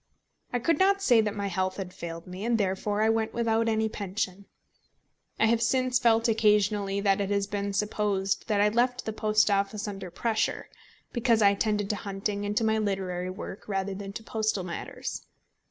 I could not say that my health had failed me, and therefore I went without any pension. I have since felt occasionally that it has been supposed that I left the Post Office under pressure, because I attended to hunting and to my literary work rather than to postal matters.